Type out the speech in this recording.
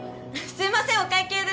すいませんお会計で！